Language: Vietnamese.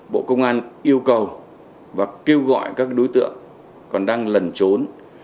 bộ công an yêu cầu và kêu gọi các đối tượng còn đang lẩn trốn